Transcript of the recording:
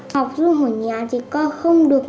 học giùm ở nhà thì con không được